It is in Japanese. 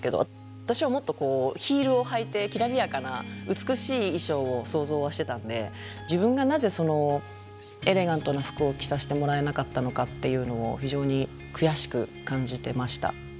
私はもっとこうヒールを履いてきらびやかな美しい衣装を想像はしてたんで自分がなぜエレガントな服を着させてもらえなかったのかっていうのを非常に悔しく感じてました。